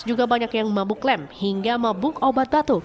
juga banyak yang mabuk lem hingga mabuk obat batuk